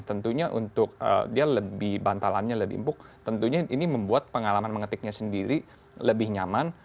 tentunya untuk dia lebih bantalannya lebih empuk tentunya ini membuat pengalaman mengetiknya sendiri lebih nyaman